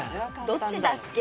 どっちだっけ？